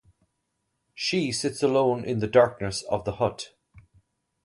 She sits alone in the darkness of the hut.